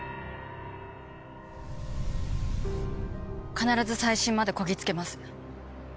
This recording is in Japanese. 必ず再審までこぎ着けます。